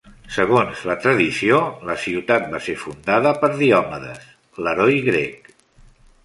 Segons la tradició, la ciutat va ser fundada per Diòmedes, l'heroi grec.